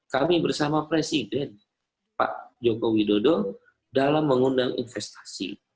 kami bersama presiden pak joko widodo dalam mengundang investasi